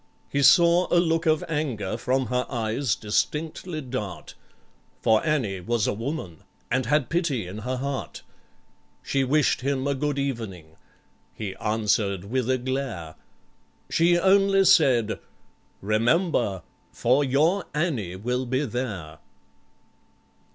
He saw a look of anger from her eyes distinctly dart, For ANNIE was a woman, and had pity in her heart! She wished him a good evening—he answered with a glare; She only said, "Remember, for your ANNIE will be there!"